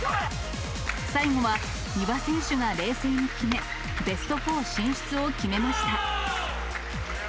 最後は丹羽選手が冷静に決め、ベスト４進出を決めました。